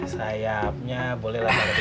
sayapnya boleh lah